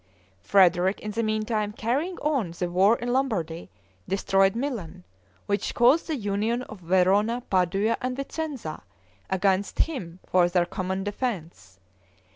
Frederick, in the meantime, carrying on the war in Lombardy, destroyed Milan; which caused the union of Verona, Padua, and Vicenza against him for their common defense.